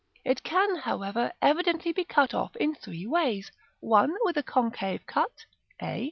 It can, however, evidently be cut off in three ways: 1. with a concave cut, a; 2.